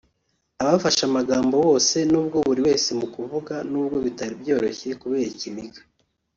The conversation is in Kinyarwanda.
Abafashe amagambo bose n’ubwo buri wese mu kuvuga n’ubwo bitari byoroshye kubera ikiniga